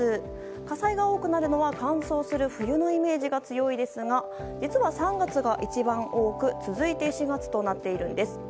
火災が多くなるのは、乾燥する冬のイメージが強いですが実は、３月が一番多く続いて４月となっているんです。